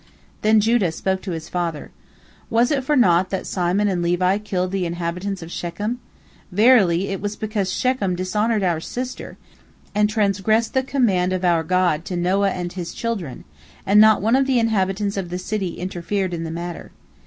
Then Judah spoke to his father: "Was it for naught that Simon and Levi killed the inhabitants of Shechem? Verily, it was because Shechem dishonored our sister, and transgressed the command of our God to Noah and his children, and not one of the inhabitants of the city interfered in the matter.